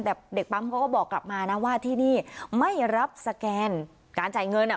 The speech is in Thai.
แต่เด็กปั๊มเขาก็บอกกลับมานะว่าที่นี่ไม่รับสแกนการจ่ายเงินอ่ะ